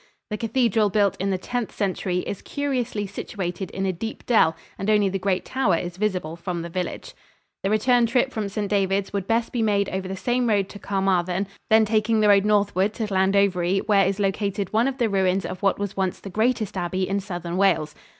The cathedral, built in the Tenth Century, is curiously situated in a deep dell, and only the great tower is visible from the village. The return trip from St. Davids would best be made over the same road to Carmarthen, then taking the road northward to Llandovery, where is located one of the ruins of what was once the greatest abbey in Southern Wales.